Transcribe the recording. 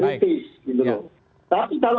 dengan pendidikan kritis gitu loh